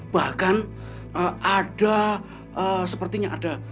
bahkan ada sepertinya ada